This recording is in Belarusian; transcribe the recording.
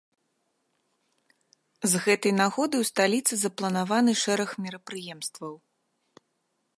З гэтай нагоды ў сталіцы запланаваны шэраг мерапрыемстваў.